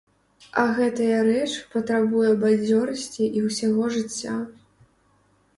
А гэтая рэч патрабуе бадзёрасці і ўсяго жыцця.